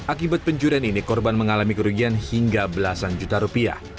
akibat pencurian ini korban mengalami kerugian hingga belasan juta rupiah